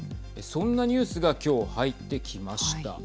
そんなニュースが今日入ってきました。